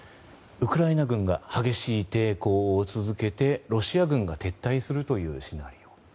ウクライナ軍が激しい抵抗を続けてロシア軍が撤退するというシナリオ。